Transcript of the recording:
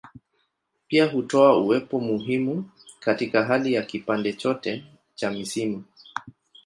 Pia hutoa uwepo muhimu katika hali ya kipande chote cha misimu.